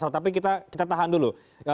tapi kita tahan dulu